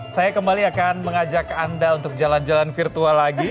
saya kembali akan mengajak anda untuk jalan jalan virtual lagi